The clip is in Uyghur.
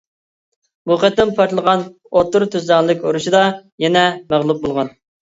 بۇ قېتىم پارتلىغان ئوتتۇرا تۈزلەڭلىك ئۇرۇشىدا يەنە مەغلۇپ بولغان.